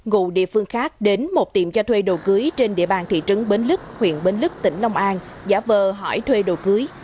ngụ địa phương khác đến một tiệm cho thuê đồ cưới trên địa bàn thị trấn bến lức huyện bến lức tỉnh long an giả vờ hỏi thuê đồ cưới